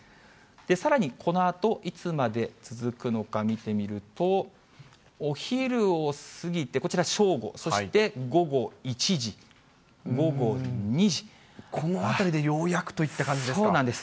さらに、このあといつまで続くのか見てみると、お昼を過ぎて、こちら正午、このあたりでようやくといっそうなんです。